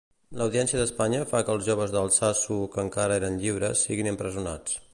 L'Audiència d'Espanya fa que els joves d'Altsasu que encara eren lliures siguin empresonats.